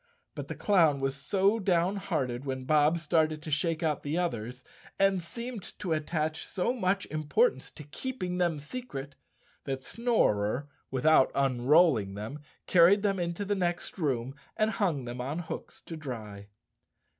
But the clown was so downhearted when Bob started to shake out the others, and seemed to attach so much 194 _ Chapter Fourteen importance to keeping them secret, that Snorer, with¬ out unrolling them, carried them into the next room and hung them on hooks to dry.